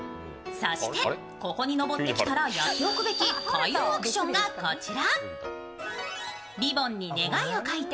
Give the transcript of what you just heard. そして、ここに昇ってきたら、やっておくべき開運アクションがこちら。